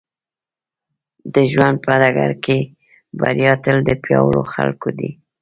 د ژوند په ډګر کې بريا تل د پياوړو خلکو ده.